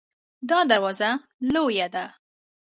دا دروازه لویه ده